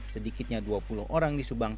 sedikitnya dua puluh orang disubangkan